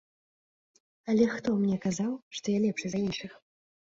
Але хто мне казаў, што я лепшы за іншых?